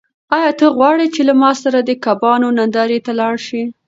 آیا ته غواړې چې له ما سره د کبانو نندارې ته لاړ شې؟